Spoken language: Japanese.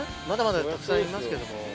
まだまだたくさんいますけども。